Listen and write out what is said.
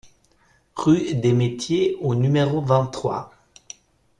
Rue des Metiers au numéro vingt-trois